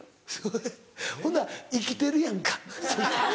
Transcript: えっほんだら生きてるやんか。